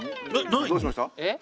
どうしました？